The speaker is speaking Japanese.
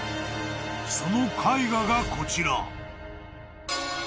その絵画がこちら］